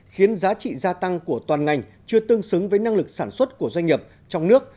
khiến giá trị gia tăng của toàn ngành chưa tương xứng với năng lực sản xuất của doanh nghiệp trong nước